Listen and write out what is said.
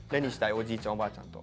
おじいちゃんおばあちゃんと？